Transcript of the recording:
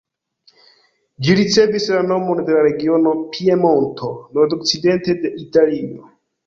Ĝi ricevis la nomon de la regiono Piemonto, nordokcidente de Italio.